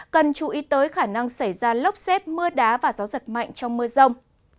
cần chú ý tới khả năng xảy ra lốc xét mưa đá và gió giật mạnh trong mưa rông